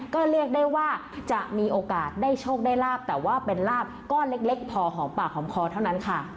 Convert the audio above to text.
ก็เรียกได้ว่าจะมีโอกาสได้โชคได้ลาบแต่ว่าเป็นลาบก้อนเล็กพอหอมปากหอมคอเท่านั้นค่ะ